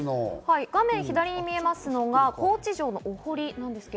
画面左に見えますのが高知城のお堀です。